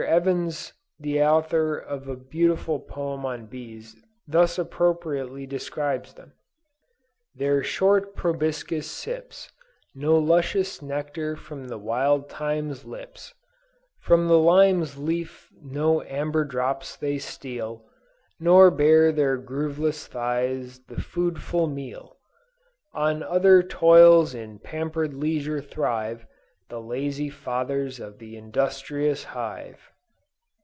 Evans the author of a beautiful poem on bees thus appropriately describes them: "Their short proboscis sips No luscious nectar from the wild thyme's lips, From the lime's leaf no amber drops they steal, Nor bear their grooveless thighs the foodful meal: On other's toils in pamper'd leisure thrive The lazy fathers of the industrious hive."